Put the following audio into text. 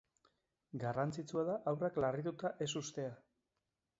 Garrantzitsua da haurrak larrituta ez uztea.